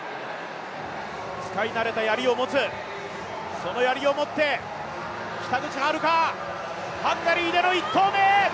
使い慣れたやりを持つそのやりを持って、北口榛花、ハンガリーでの１投目。